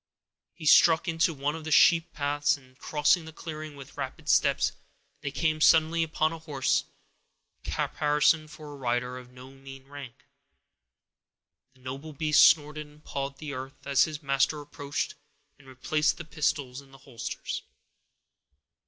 He struck into one of the sheep paths, and, crossing the clearing with rapid steps, they came suddenly upon a horse, caparisoned for a rider of no mean rank. The noble beast snorted and pawed the earth, as his master approached and replaced the pistols in the holsters.